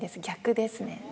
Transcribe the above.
逆ですね。